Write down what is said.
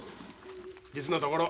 実のところ。